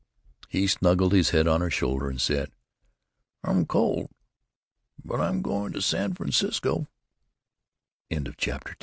He snuggled his head on her shoulder and said: "I'm cold. But I'm going to San Francisco." CHAPTER III arl E